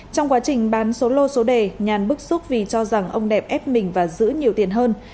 trong quá trình bán số lô số đề nhàn bức xúc vì cho rằng ông đẹp ép mình và giữ nhiều tiền hơn